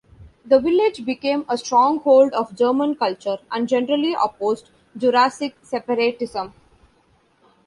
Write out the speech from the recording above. The village became a stronghold of German culture and generally opposed Jurassic separatism.